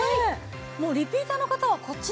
もうリピーターの方はこっちですね。